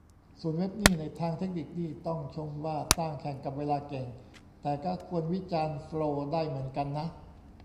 ส่วนเว็บนี่ ในทางเทคนิคนี่ต้องชมว่าสร้างแข่งกับเวลาเก่ง แต่ก็ควรวิจารณ์โฟลวได้เหมือนกันนะ